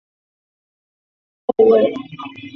在场上司职右后卫。